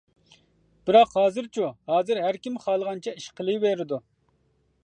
بىراق ھازىرچۇ؟ ھازىر ھەر كىم خالىغانچە ئىش قىلىۋېرىدۇ.